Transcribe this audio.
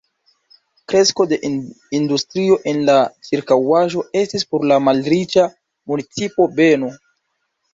Kresko de industrio en la ĉirkaŭaĵo estis por la malriĉa municipo beno.